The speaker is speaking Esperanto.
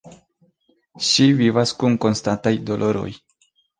Ŝi vivas kun konstantaj doloroj.